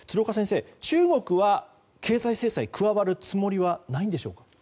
中国は経済制裁に加わるつもりはないんでしょうか。